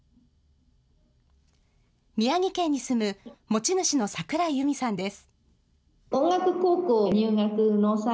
宮城県に住む、持ち主の櫻井由美さんです。